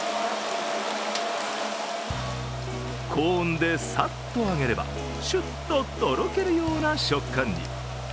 高温でさっと揚げればシュッととろけるような食感に。